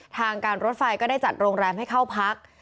ทางการรถไฟก็ได้จัดโรงแรมให้เข้าพัก